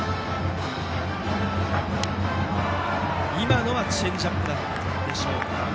今のはチェンジアップでしたか。